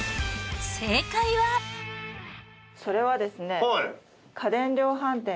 それはですね。